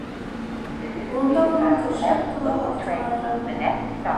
Ҡулында уның көршәк тулы һалҡын айран.